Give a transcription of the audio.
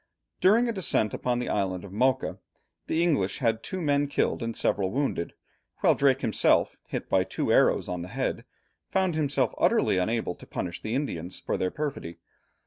During a descent upon the island of Mocha, the English had two men killed and several wounded, while Drake himself, hit by two arrows on the head, found himself utterly unable to punish the Indians for their perfidy.